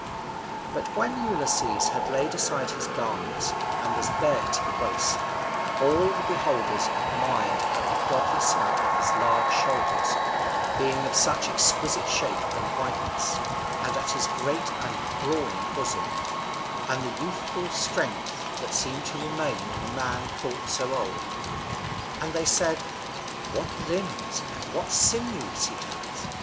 But when Ulysses had laid aside his garments, and was bare to the waist, all the beholders admired at the goodly sight of his large shoulders, being of such exquisite shape and whiteness, and at his great and brawny bosom, and the youthful strength which seemed to remain in a man thought so old; and they said, What limbs and what sinews he has!